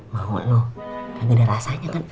mau lo gak ada rasanya kan